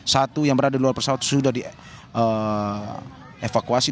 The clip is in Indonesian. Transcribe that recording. satu yang berada di luar pesawat sudah dievakuasi